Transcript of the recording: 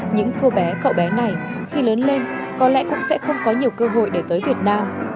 những cô bé cậu bé này khi lớn lên có lẽ cũng sẽ không có nhiều cơ hội để tới việt nam